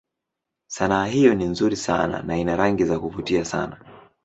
Sanaa hiyo ni nzuri sana na ina rangi za kuvutia sana.